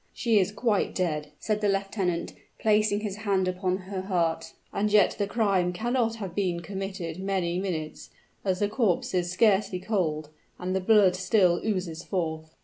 "She is quite dead," said the lieutenant, placing his hand upon her heart. "And yet the crime cannot have been committed many minutes, as the corpse is scarcely cold, and the blood still oozes forth."